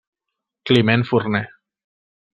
Climent Forner.